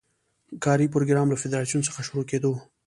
کاري پروګرام له فدراسیون څخه شروع کېدو.